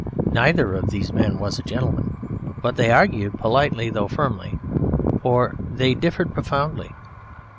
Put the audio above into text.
Neither of these men was a gentleman but they argued politely though firmly, for they differed profoundly.